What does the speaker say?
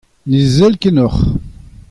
Ne sell ket ac'hanoc'h.